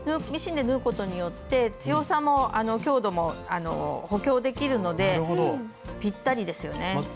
ミシンで縫うことによって強さも強度も補強できるのでぴったりですよね。